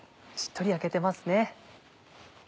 しっとり焼けてますね。